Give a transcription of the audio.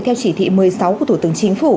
theo chỉ thị một mươi sáu của thủ tướng chính phủ